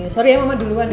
maaf ya mama duluan ya